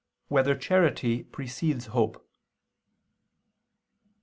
8] Whether Charity Precedes Hope?